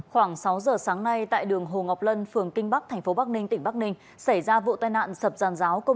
khoảng sáu giờ sáng nay tại đường hồ ngọc lân phường kinh bắc tp bắc ninh tỉnh bắc ninh xảy ra vụ tai nạn sập giàn giáo